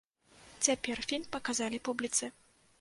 Цяпер фільм паказалі публіцы.